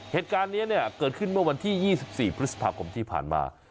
เหตุการณ์นี้เนี่ยเกิดขึ้นเมื่อวันที่๒๔พฤษภาคมที่ผ่านมา